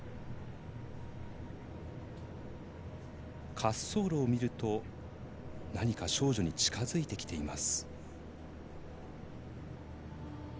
滑走路を見ると何か少女が近づいてきています。